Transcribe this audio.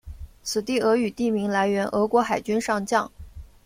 此地俄语地名来源俄国海军上将。